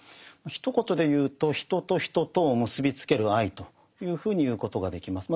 ひと言で言うと人と人とを結びつける愛というふうに言うことができます。